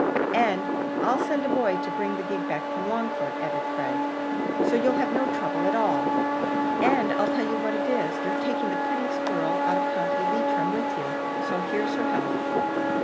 "And I'll send a boy to bring the gig back from Longford," added Fred, "so you'll have no trouble at all; and I'll tell you what it is, you're taking the prettiest girl out of County Leitrim with you so here's her health."